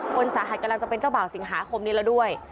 คนสาหัสกำลังจะเป็นเจ้าบ่าวสิงหาคมนี้แล้วด้วย